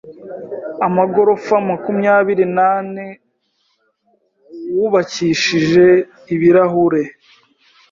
amagorofa makumyabiri nane wubakishije ibirahure